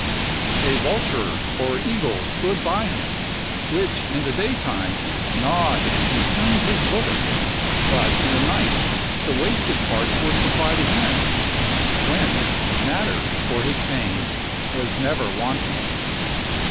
A vulture or eagle stood by him, which in the daytime gnawed and consumed his liver; but in the night the wasted parts were supplied again; whence matter for his pain was never wanting.